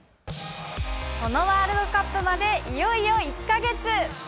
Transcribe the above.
そのワールドカップまでいよいよ１か月。